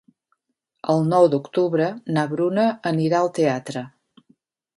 El nou d'octubre na Bruna anirà al teatre.